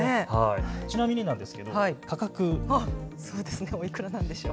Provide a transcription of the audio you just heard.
ちなみになんですが価格、おいくらなんでしょう。